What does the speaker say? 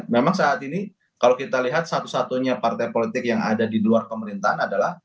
memang saat ini kalau kita lihat satu satunya partai politik yang ada di luar pemerintahan adalah